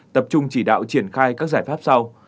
tập trung chỉ đạo triển khai các giải pháp sau